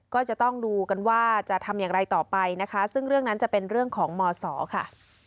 ก็จะต้องดูกันว่าจะทำอย่างไรต่อไปนะคะซึ่งเรื่องนั้นจะเป็นเรื่องของมศค่ะ